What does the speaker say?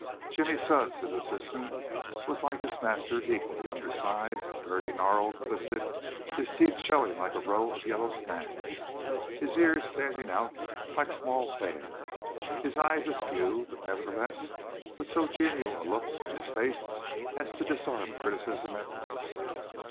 Jimmy Sudds, his assistant, was like his master equally undersized, dirty, gnarled, twisted, his teeth showing like a row of yellow snags, his ears standing out like small fans, his eye askew, but nevertheless with so genial a look in his face as to disarm criticism at once.